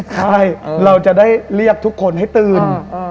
ใช่เราจะได้เรียกทุกคนให้ตื่น